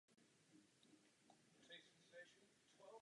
Pak rezignoval kvůli vysokému věku.